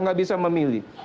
tidak bisa memilih